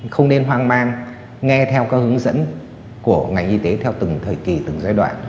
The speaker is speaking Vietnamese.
không nên hoang mang nghe theo các hướng dẫn của ngành y tế theo từng thời kỳ từng giai đoạn